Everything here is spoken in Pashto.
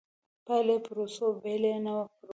پایلې پروسو بېلې نه کړو.